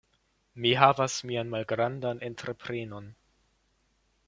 Mi havis mian malgrandan entreprenon.